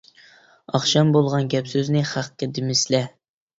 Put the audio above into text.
ئاخشام بولغان گەپ سۆزنى خەققە دېمىسىلە.